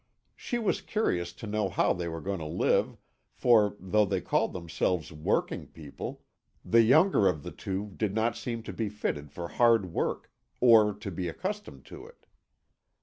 She was curious to know how they were going to live, for although they called themselves working people, the younger of the two did not seem to be fitted for hard work, or to be accustomed to it.